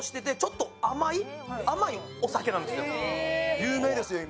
有名ですよ、今。